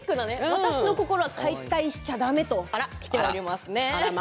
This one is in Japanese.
私の心は解体しちゃだめときていますね。